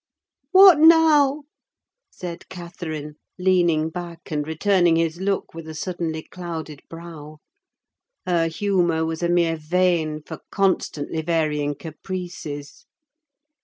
"What now?" said Catherine, leaning back, and returning his look with a suddenly clouded brow: her humour was a mere vane for constantly varying caprices.